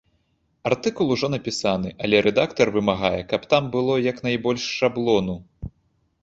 Артыкул ужо напісаны, але рэдактар вымагае, каб там было як найбольш шаблону.